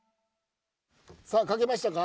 さあかけましたか？